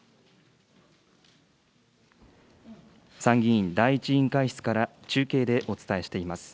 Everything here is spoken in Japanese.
参議院第１委員会室から中継でお伝えしています。